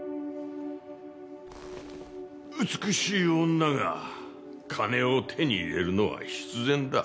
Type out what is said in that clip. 美しい女が金を手に入れるのは必然だ。